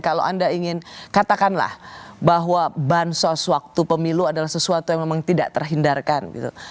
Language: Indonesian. kalau anda ingin katakanlah bahwa bansos waktu pemilu adalah sesuatu yang memang tidak terhindarkan gitu